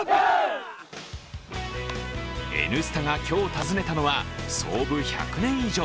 「Ｎスタ」が今日訪ねたのは創部１００年以上。